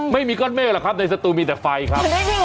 ไม่มีก้อนเมฆหรอกครับในสตูมีแต่ไฟครับ